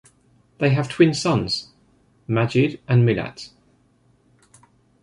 They have twin sons, Magid and Millat.